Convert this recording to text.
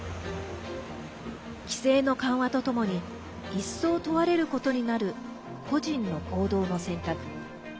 規制の緩和とともに一層、問われることになる個人の行動の選択。